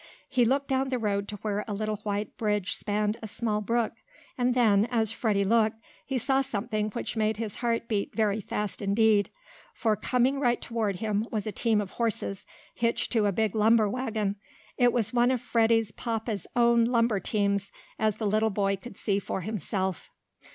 He looked down the road to where a little white bridge spanned a small brook. And then, as Freddie looked, he saw something which made his heart beat very fast indeed. For, coming right toward him, was a team of horses, hitched to a big lumber wagon it was one of Freddie's papa's own lumber teams, as the little boy could see for himself.